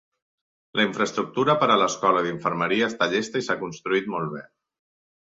La infraestructura per a l'escola d'infermeria està llesta i s'ha construït molt bé.